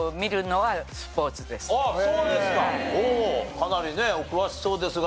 かなりねお詳しそうですが。